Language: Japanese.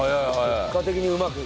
結果的にうまく。